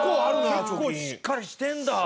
結構しっかりしてるんだ。